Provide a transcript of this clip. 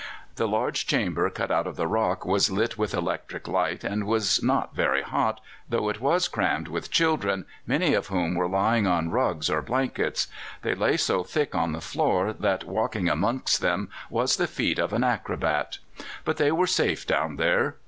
The large chamber cut out of the rock was lit with electric light, and was not very hot, though it was crammed with children, many of whom were lying on rugs or blankets; they lay so thick on the floor that walking amongst them was the feat of an acrobat. But they were safe down there!